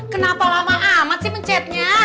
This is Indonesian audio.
kenapa lama amat sih mencetnya